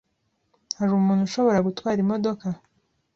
Hari umuntu ushobora gutwara imodoka?